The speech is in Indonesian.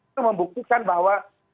itu membuktikan bahwa